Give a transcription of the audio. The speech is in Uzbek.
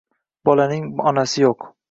Bolaning onasi yo`q